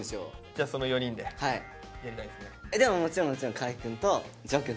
じゃあその４人でやりたいですね。